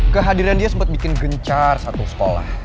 kehadiran dia sempat bikin gencar satu sekolah